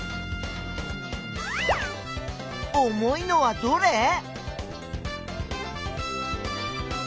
重いのはどれ？